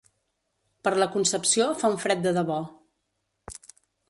Per la Concepció fa un fred de debò.